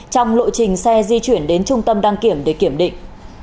trong lộ trình xe di chuyển đến trung tâm đăng kiểm để kiểm định